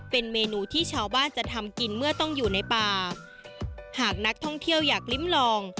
เป็นเมนูที่ชาวบ้านจะทำกินเมื่อต้องอยู่ในป่าหากนักท่องเที่ยวอยากลิ้มลอง